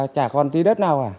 chả còn tí đất nào à